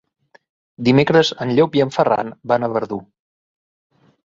Dimecres en Llop i en Ferran van a Verdú.